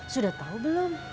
sudah tahu belum